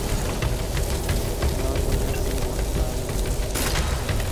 بام مینا سے ماہتاب اترے